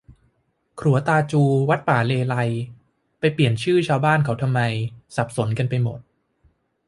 ขรัวตาจู วัดป่าเลไลย ไปเปลี่ยนชื่อชาวบ้านเขาทำไม สับสนกันไปหมด